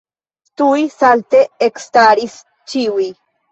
Tuj salte ekstaris ĉiuj.